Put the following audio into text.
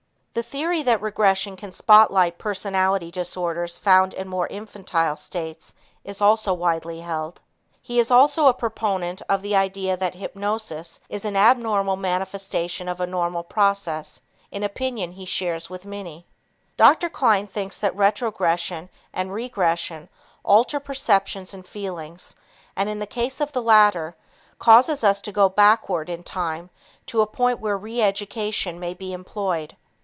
The theory that regression can spotlight personality disorders found in more infantile states is also widely held. He also is a proponent of the idea that hypnosis is an abnormal manifestation of a normal process, an opinion he shares with many. Dr. Kline thinks that retrogression and regression alter perceptions and feelings, and, in the case of the latter, causes us to go backward in time to the point where re education may be employed.